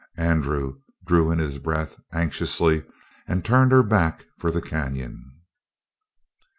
Andrew drew in his breath anxiously and turned her back for the canyon.